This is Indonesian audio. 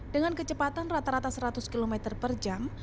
dengan kecepatan rata rata seratus km per jam